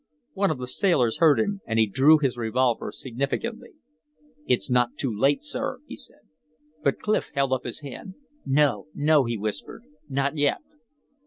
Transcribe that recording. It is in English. One of the sailors heard him, and he drew his revolver significantly. "It's not too late, sir," he said. But Clif held up his hand. "No, no," he whispered. "Not yet!"